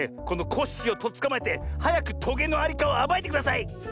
このコッシーをとっつかまえてはやくトゲのありかをあばいてください！